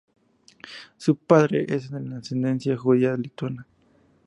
Su padre es de ascendencia judía lituana.